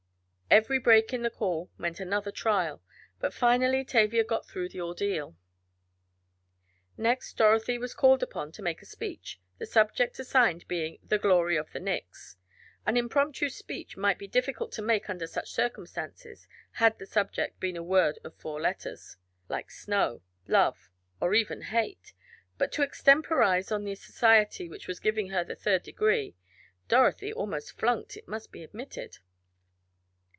Every break in the call meant another trial, but finally Tavia got through the ordeal. Next Dorothy was called upon to make a speech the subject assigned being "The Glory of the Nicks." An impromptu speech might be difficult to make under such circumstances had the subject been a word of four letters, like Snow, Love or even Hate, but to extemporize on the society which was giving her the third degree Dorothy almost "flunked," it must be admitted.